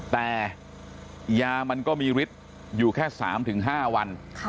แต่ยามันก็มีฤทธิ์อยู่แค่๓๕วัน